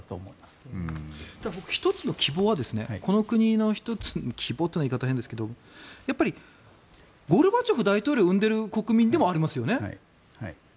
この国の１つの希望は希望という言い方は変ですけどやっぱりゴルバチョフ大統領を生んでいる国民でもありますよね。